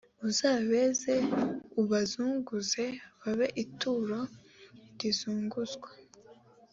uzabeze ubazunguze babe ituro rizunguzwa